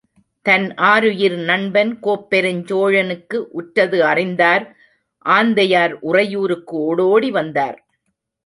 தன் ஆருயிர் நண்பன் கோப்பெருஞ் சோழனுக்கு உற்றது அறிந்தார் ஆந்தையார் உறையூருக்கு ஒடோடி வந்தார்.